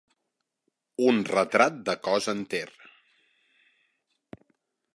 Un retrat de cos enter.